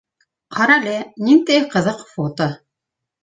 Ҡара әле, ниндәй ҡыҙыҡ фото!